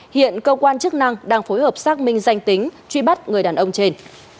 hiện cơ quan chức năng đang phối hợp xác minh danh tính truy bắt người đàn ông trên